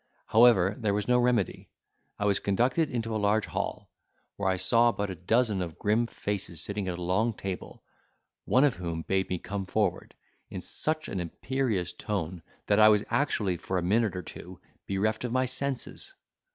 However, there was no remedy. I was conducted into a large hall, where I saw about a dozen of grim faces sitting at a long table: one of whom bade me come forward, in such an imperious tone, that I was actually for a minute or two bereft of my senses.